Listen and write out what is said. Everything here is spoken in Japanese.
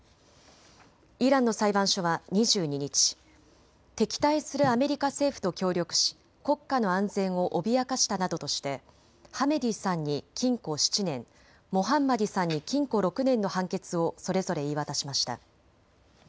イランの裁判所は２２日、敵対するアメリカ政府と協力し国家の安全を脅かしたなどとして、ハメディさんに禁錮７年、モハンマディさんに禁錮６年の判決をそれぞれ言い渡しました。